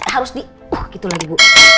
harus di wah gitu lagi bu